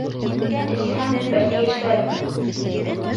Эсһәң, бәлки эшләр инең!